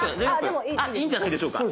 あいいんじゃないでしょうか。